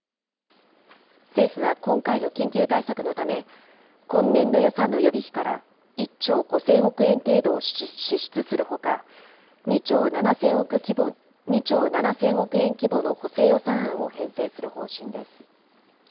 政府は今回の緊急対策のため、今年度予算の予備費から、１兆５０００億円程度を支出するほか、２兆７０００億円規模の補正予算案を編成する方針です。